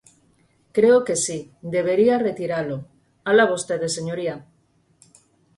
Creo que si, debería retiralo; alá vostede, señoría.